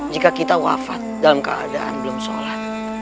jika kita wafat dalam keadaan belum sholat